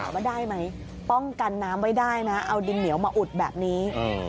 ว่าได้ไหมป้องกันน้ำไว้ได้นะเอาดินเหนียวมาอุดแบบนี้